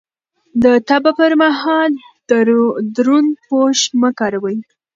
د تبه پر مهال دروند پوښ مه کاروئ.